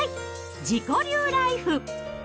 自己流ライフ。